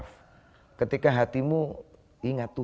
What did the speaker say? fatih hatimu kehormatan